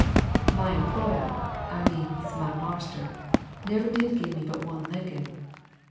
My employer I means, my marster, never did give me but one lickin'.